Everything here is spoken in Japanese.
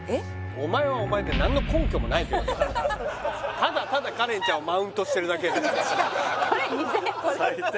お前はお前で何の根拠もないけどなただただカレンちゃんをマウントしてるだけでこれ２０００円最低